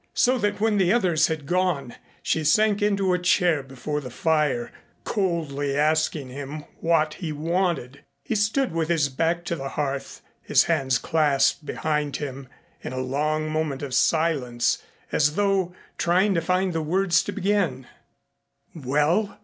So that when the others had gone she sank into a chair before the fire, coldly asking him what he wanted. He stood with his back to the hearth, his hands clasped behind him, in a long moment of silence as though trying to find the words to begin. "Well?"